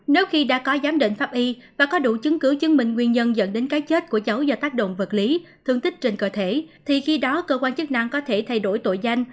nếu khi đã có giám định pháp y và có đủ chứng cứ chứng minh nguyên nhân dẫn đến cái chết của cháu do tác động vật lý thương tích trên cơ thể thì khi đó cơ quan chức năng có thể thay đổi tội danh